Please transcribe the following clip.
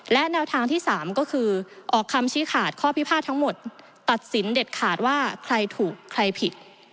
และแนวทางที่๓ก็คือออกคำชี้ขาดข้อพิพาททั้งหมดตัดสินเด็ดขาดว่าใครถูกใครผิด